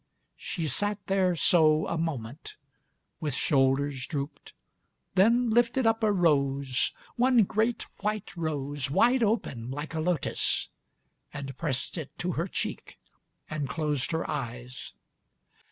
She sat there so a moment, With shoulders drooped, then lifted up a rose, One great white rose, wide open, like a lotus, And pressed it to her cheek, and closed her eyes.